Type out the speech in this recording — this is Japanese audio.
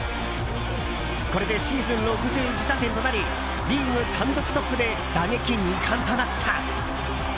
これでシーズン６１打点となりリーグ単独トップで打撃２冠となった。